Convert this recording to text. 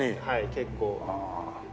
はい結構。